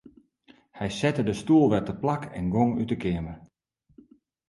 Hy sette de stoel wer teplak en gong út 'e keamer.